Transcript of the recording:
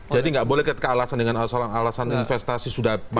jadi nggak boleh kealasan dengan alasan alasan investasi sudah masuk ke dalam